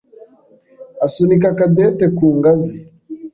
asunika Cadette ku ngazi.